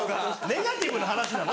ネガティブな話なの？